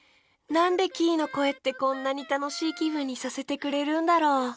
なんでキイのこえってこんなにたのしいきぶんにさせてくれるんだろう。